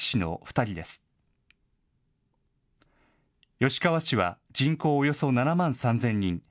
吉川市は人口およそ７万３０００人。